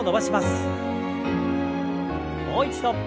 もう一度。